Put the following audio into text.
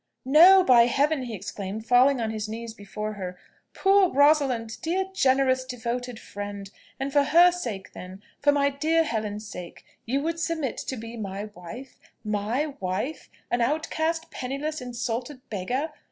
"No, by Heaven!" he exclaimed, falling on his knees before her. "Poor Rosalind! dear, generous, devoted friend! And for her sake, then for my dear Helen's sake, you would submit to be my wife my wife! an outcast, penniless, insulted beggar!